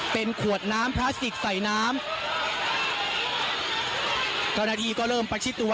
เป็นขวดน้ำพลาสติกใส่น้ำเจ้าหน้าที่ก็เริ่มประชิดตัว